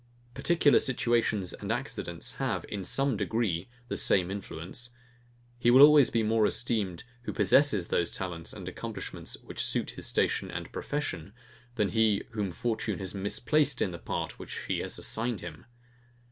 Particular situations and accidents have, in some degree, the same influence. He will always be more esteemed, who possesses those talents and accomplishments, which suit his station and profession, than he whom fortune has misplaced in the part which she has assigned him.